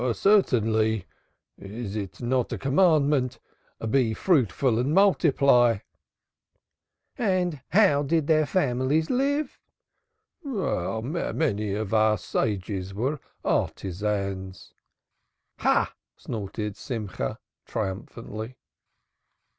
"Certainly; is it not a command 'Be fruitful and multiply'?" "And how did their families live?" "Many of our sages were artisans." "Aha!" snorted Simcha triumphantly.